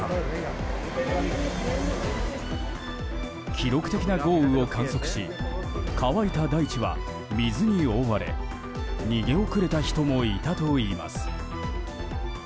記録的な豪雨を観測し乾いた大地は水に覆われ逃げ遅れた人もいたといいます。